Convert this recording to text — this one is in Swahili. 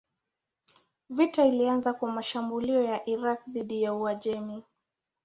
Vita ilianza kwa mashambulio ya Irak dhidi ya Uajemi.